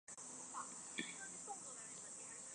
担任湖南省电信公司总经理。